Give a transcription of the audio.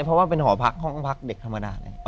เพราะว่าเป็นหอพักห้องพักเด็กธรรมดาเลย